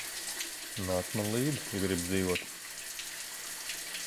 Nāc man līdzi, ja gribi dzīvot.